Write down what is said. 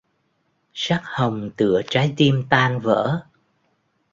Sắc hồng tựa trái tim tan vỡ